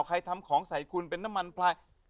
ใครทำของใส่คุณเป็นน้ำมันพลาย